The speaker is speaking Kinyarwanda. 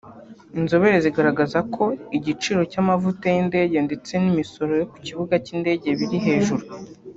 Inzobere zigaragaza ko igiciro cy’amavuta y’indege ndetse n’ imisoro yo ku kibuga cy’indege biri hejuru